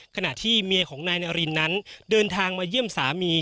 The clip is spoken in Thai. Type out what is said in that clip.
ขณะที่เมียของนายนารินนั้นเดินทางมาเยี่ยมสามี